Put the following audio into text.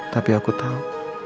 tapi aku tahu